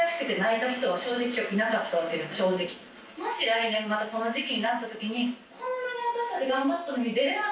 もし来年またこの時期になった時にこんなに私たち頑張ったのに。